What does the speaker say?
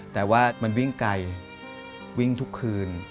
แต่ว่ามันวิ่งไกลวิ่งทุกคืน